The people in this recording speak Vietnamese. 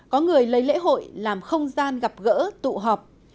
có người lấy lễ hội làm không gian gặp gỡ tụ họp